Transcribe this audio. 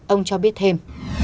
ông cho biết thêm